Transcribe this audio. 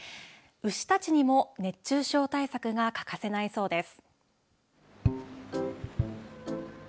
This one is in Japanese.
牛たちにも熱中症対策が欠かせないそうです。